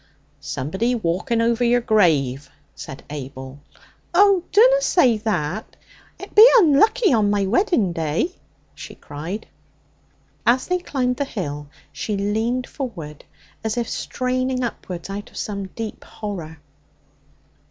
'Somebody walking over your grave,' said Abel. 'Oh, dunna say that! It be unlucky on my wedding day,' she cried. As they climbed the hill she leaned forward, as if straining upwards out of some deep horror.